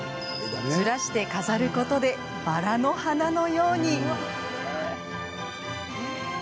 ずらして飾ることでバラの花のように。